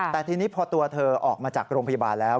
แต่ทีนี้พอตัวเธอออกมาจากโรงพยาบาลแล้ว